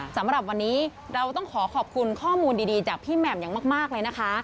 สำหรับวันนี้เราต้องขอขอบคุณข้อมูลดีจากพี่แหม่มอย่างมากเลยนะคะ